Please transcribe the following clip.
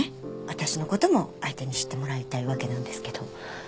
私のことも相手に知ってもらいたいわけなんですけど。